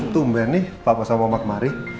tumben nih papa sama mak mari